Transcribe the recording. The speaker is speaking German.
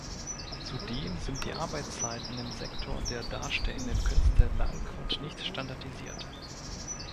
Zudem sind die Arbeitszeiten im Sektor der darstellenden Künste lang und nicht standardisiert.